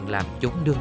ba hôm trước